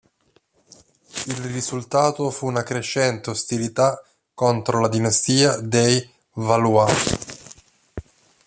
Il risultato fu una crescente ostilità contro la dinastia dei Valois.